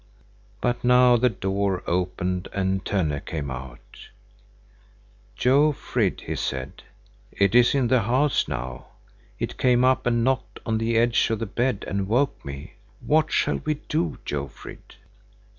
But now the door opened and Tönne came out to her. "Jofrid," he said, "it is in the house now. It came up and knocked on the edge of the bed and woke me. What shall we do, Jofrid?"